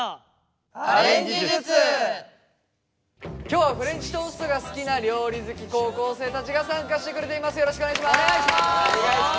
今日はフレンチトーストが好きな料理好き高校生たちが参加してくれています。